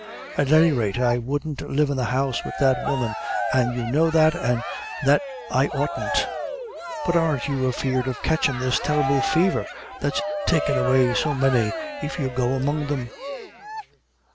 At any rate, I wouldn't live in the house with that woman, an' you know that, an' that I oughtn't." "But aren't you afeard of catchin' this terrible faver, that's takin' away so many, if you go among them'?"